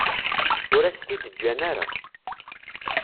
Ur as-t-id-ǧǧan ara.